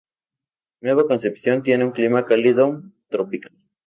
Nueva Concepción tiene un clima cálido tropical.